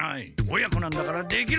親子なんだからできる！